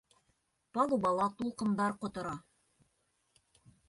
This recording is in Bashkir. Палубала тулҡындар ҡотора.